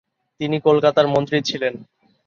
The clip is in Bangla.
তিনি কলকাতার মন্ত্রী ছিলেন।